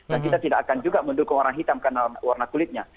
dan kita tidak akan juga mendukung orang hitam karena warna kulitnya